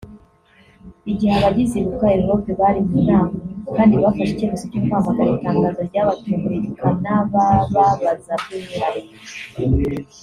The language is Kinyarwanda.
Igihe abagize Ibuka-Europe bari mu nama kandi bafashe icyemezo cyo kwamagana itangazo ryabatunguye rikanabababaza by’umwihariko